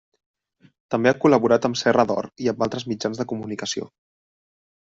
També ha col·laborat amb Serra d'Or i amb altres mitjans de comunicació.